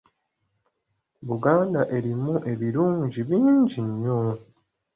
Buganda erimu ebirungi bingi nnyo.